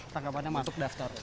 tanggapannya masuk daftar